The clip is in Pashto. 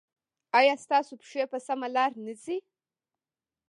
ایا ستاسو پښې په سمه لار نه ځي؟